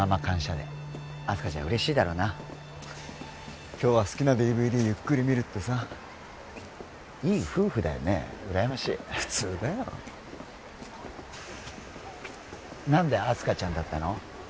デー明日香ちゃん嬉しいだろうな今日は好きなＤＶＤゆっくり見るってさいい夫婦だよね羨ましい普通だよ何で明日香ちゃんだったの？